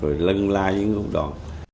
rồi lân lai dưới úc đòn